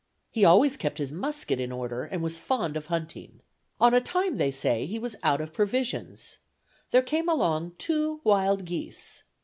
"He always kept his musket in order, and was fond of hunting. On a time, they say, he was out of provisions. There came along two wild geese.